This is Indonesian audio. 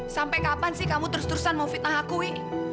sampai kapan sih kamu terus terusan mau fitnah akui